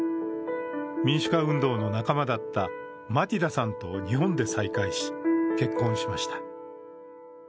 民主化運動の仲間だったマティダさんと日本で再会し結婚しました。